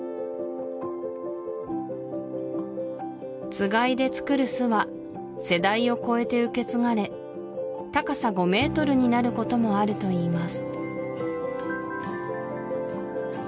つがいで作る巣は世代を超えて受け継がれ高さ５メートルになることもあるといいます